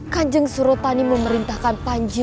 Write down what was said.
kanjeng surotani memerintahkan panji